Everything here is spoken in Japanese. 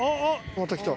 ・また来た・・